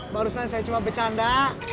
barusan saya cuma bercanda